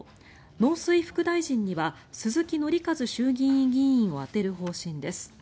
農水副大臣には鈴木憲和衆議院議員を充てる方針です。